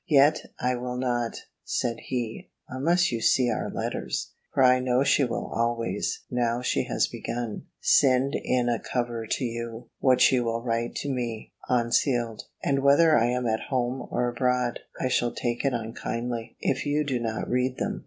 "Yet I will not," said he, "unless you see our letters: for I know she will always, now she has begun, send in a cover to you, what she will write to me, unsealed; and whether I am at home or abroad, I shall take it unkindly, if you do not read them."